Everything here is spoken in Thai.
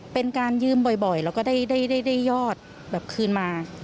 เป็นการยืมบ่อยแล้วก็ได้ยอดแบบคืนมา